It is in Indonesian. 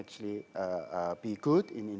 bahwa kita bisa menjadi baik